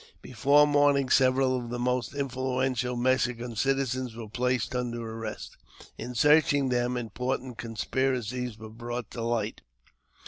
Before morning several of the most influential Mexican citizens were placed under arrest. In searching them, important con spiracies were brought to light.